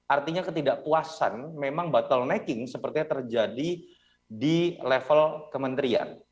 artinya ketidakpuasan memang bottlenecking sepertinya terjadi di level kementerian